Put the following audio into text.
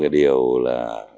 có một điều là